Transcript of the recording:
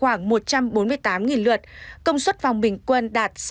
công suất buồng phòng đạt khoảng một trăm bốn mươi tám lượt công suất phòng bình quân đạt sáu mươi tám